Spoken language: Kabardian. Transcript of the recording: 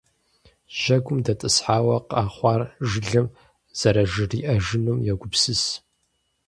Жьэгум дэтӀысхьауэ, къэхъуар жылэм зэражриӏэжынум йогупсыс.